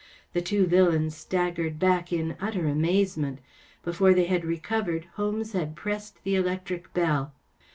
The two villains staggered back in utter amazement. Before they had recovered Holmes had pressed the electric bell.